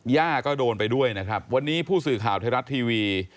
ย่าก็โดนไปด้วยนะครับวันนี้ผู้สื่อข่าวไทยรัฐทีวี